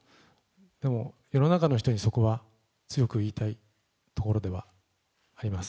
でも、世の中人にそこは強く言いたいところではあります。